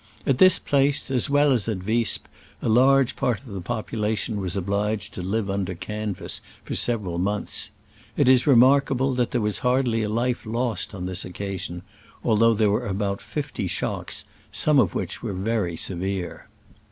At this place, as well as at Visp, a large part of the population was obliged to live under canvas for several months. It is remarkable that there was hardly a life lost on this occasion, although there were about fifty shocks, some of which were very severe.